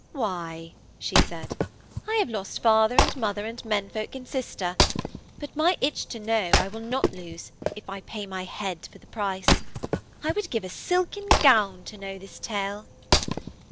'Why,' she said, 'I have lost father and mother and men folk and sister. But my itch to know I will not lose, if I pay my head for the price. I would give a silken gown to know this tale.'